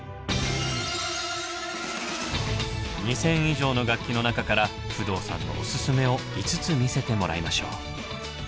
２，０００以上の楽器の中から不動さんのオススメを５つ見せてもらいましょう。